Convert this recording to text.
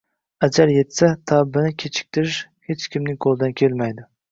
Ajal yetsa, tavbani kechiktirish hech kimning qo‘lidan kelmaydi.